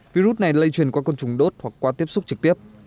virus này lây truyền qua côn trùng đốt hoặc qua tiếp xúc trực tiếp